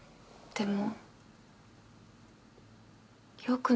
でも。